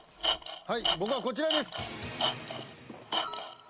はい僕はこちらです。